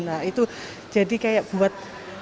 nah itu jadi kayak buat